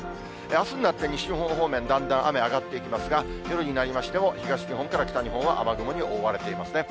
あすになって西日本方面、だんだん雨上がっていきますが、夜になりましても、東日本から北日本は雨雲に覆われていますね。